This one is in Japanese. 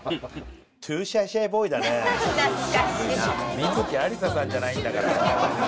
観月ありささんじゃないんだから。